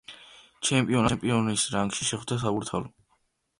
ჩემპიონატს ჩემპიონის რანგში შეხვდა „საბურთალო“.